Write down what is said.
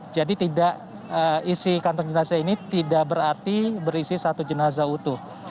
jadi isi kantong jenazah ini tidak berarti berisi satu jenazah utuh